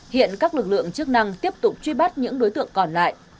hiện các lực lượng chức năng tiếp tục truy bắt những đối tượng còn lại